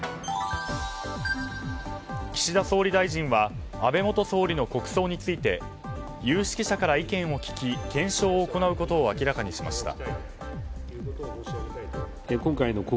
岸田総理大臣は安倍元総理の国葬について有識者から意見を聞き、検証を行うことを明らかにしました。